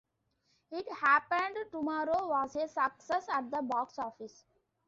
"It Happened Tomorrow" was a success at the box office.